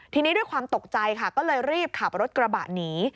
ทีนี้ด้วยความตกใจค่ะก็เลยรีบขับรถกระบะหนี